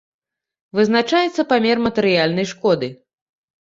Вызначаецца памер матэрыяльнай шкоды.